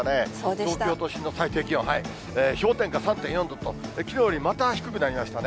東京都心の最低気温、氷点下３．４度と、きのうよりまた低くなりましたね。